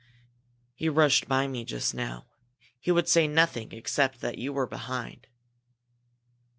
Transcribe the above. "He rushed by me just now. He would say nothing except that you were behind."